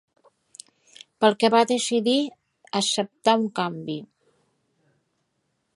Pel que va decidir acceptar un canvi.